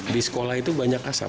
di sekolah itu banyak asap